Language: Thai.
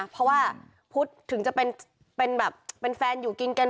เพราะว่าพุธถึงจะเป็นแฟนอยู่กินกัน